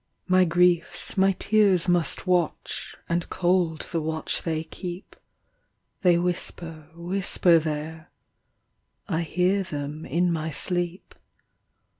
My griefs, my tears must watch, And cold the watch they keep; They whisper, whisper there I hear them in my sleep.